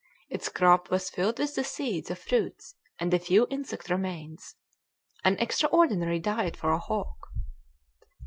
Its crop was filled with the seeds of fruits and a few insect remains; an extraordinary diet for a hawk.